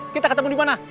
kita ketemu dimana